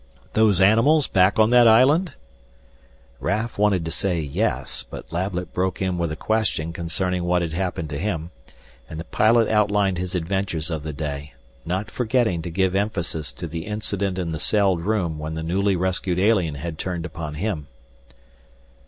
"Those animals back on that island?" Raf wanted to say yes, but Lablet broke in with a question concerning what had happened to him, and the pilot outlined his adventures of the day, not forgetting to give emphasis to the incident in the celled room when the newly rescued alien had turned upon him.